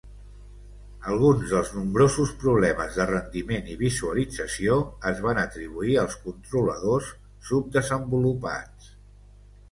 Alguns dels nombrosos problemes de rendiment i visualització es van atribuir als controladors subdesenvolupats.